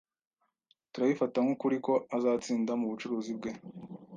Turabifata nkukuri ko azatsinda mubucuruzi bwe.